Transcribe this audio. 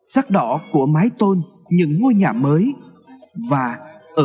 sắc đỏ của mái tôn những ngôi nhà mới và ở sắc ấm của lòng người